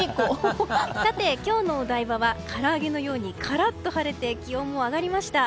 今日のお台場はからあげのようにカラッと晴れて気温も上がりました。